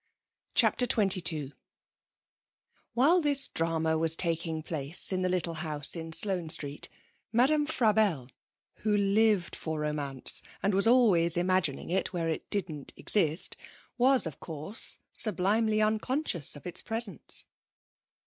CHAPTER XXII While this drama was taking place in the little house in Sloane Street, Madame Frabelle, who lived for romance, and was always imagining it where it didn't exist, was, of course, sublimely unconscious of its presence.